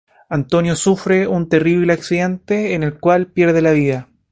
Antonio sufre un terrible accidente en el cual pierde la vida.